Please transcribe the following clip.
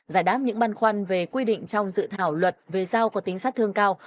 giải đáp những băn khoăn về quy định trong dự thảo luật về dao có tính sát thương cao